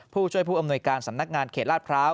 ผู้ช่วยผู้อำนวยการสำนักงานเขตลาดพร้าว